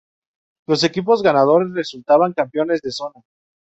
Los equipos ganadores resultaban Campeones de Zona.